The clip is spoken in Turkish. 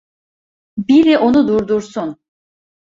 Biri onu durdursun!